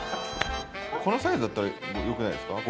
このサイズだったらよくないですか？